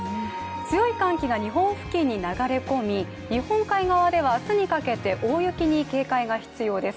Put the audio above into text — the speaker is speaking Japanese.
強い寒気が日本付近に流れ込み、日本海側では明日にかけて、大雪に警戒が必要です。